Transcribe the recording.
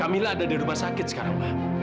kamila ada di rumah sakit sekarang mbak